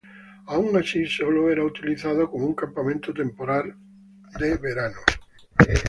Aun así solo era utilizado como un campamento temporario de verano.